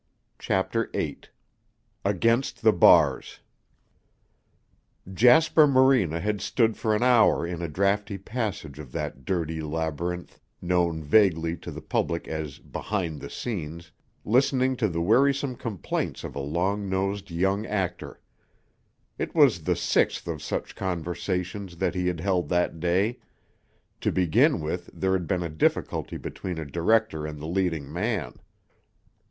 CHAPTER VIII AGAINST THE BARS Jasper Morena had stood for an hour in a drafty passage of that dirty labyrinth known vaguely to the public as "behind the scenes," listening to the wearisome complaints of a long nosed young actor. It was the sixth of such conversations that he had held that day: to begin with, there had been a difficulty between a director and the leading man.